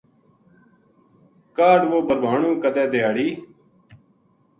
کاہڈ وہ بھربھانو کَدے دھیاڑی